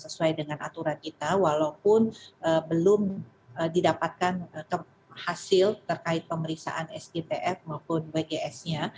sesuai dengan aturan kita walaupun belum didapatkan hasil terkait pemeriksaan sgtf maupun wgs nya